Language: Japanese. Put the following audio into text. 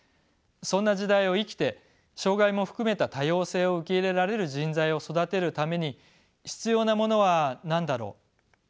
そんな時代を生きて障がいも含めた多様性を受け入れられる人材を育てるために必要なものは何だろう。